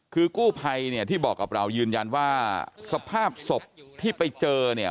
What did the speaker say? คือกู้ภัยเนี่ยที่บอกกับเรายืนยันว่าสภาพศพที่ไปเจอเนี่ย